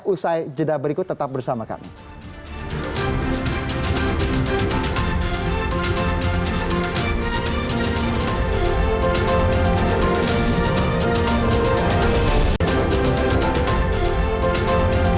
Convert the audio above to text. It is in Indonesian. usai jeda berikut tetap bersama kami